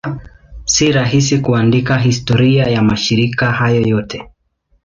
Si rahisi kuandika historia ya mashirika hayo yote.